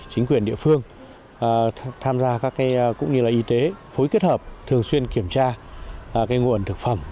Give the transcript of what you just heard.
chính quyền địa phương tham gia các cái cũng như là y tế phối kết hợp thường xuyên kiểm tra cái nguồn thực phẩm